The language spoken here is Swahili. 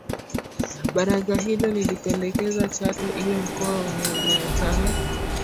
Baraza hilo lilipendekeza Chato iwe mkoa wenye wilaya tano